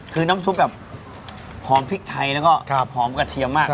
คือน้ำซุปแบบหอมพริกไทยแล้วก็หอมกระเทียมมาก